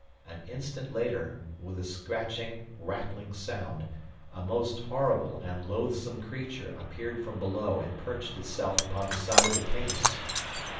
An instant later, with a scratching, rattling sound, a most horrible and loathsome creature appeared from below and perched itself upon the side of the case.